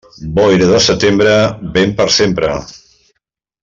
Boira de setembre, vent per sempre.